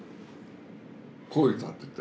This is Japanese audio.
声たてて。